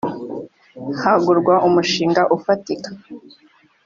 hagurwa umushinga ufatika